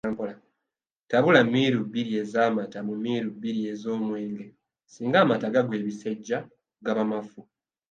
Tabula miiru bbiri ez’amata mu miiru bbiri ez’omwenge singa amata gagwa ebisejja gaba mafu